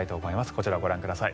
こちらをご覧ください。